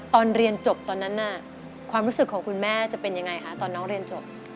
ตอนเรียนจบตอนนั้นน่ะความรู้สึกของคุณแม่จะเป็นยังไงคะตอนน้องเรียนจบ